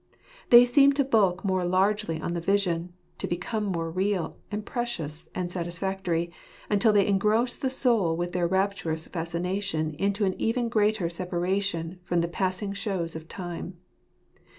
They seem to bulk more largely on the vision 3 to become more real, and precious, and satisfactory ; until they engross the soul with their rapturous fascination into an even greater separation from the passing shows of time.